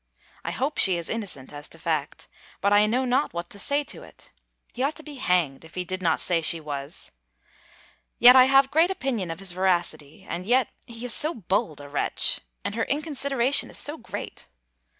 I hope she is innocent, as to fact; but I know not what to say to it. He ought to be hanged, if he did not say she was. Yet I have great opinion of his veracity: and yet he is so bold a wretch! And her inconsideration is so great!